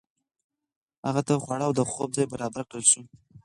هغه ته خواړه او د خوب ځای برابر کړل شو.